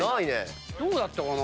どうだったかな？